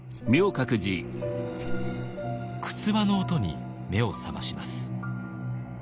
くつわの音に目を覚まします。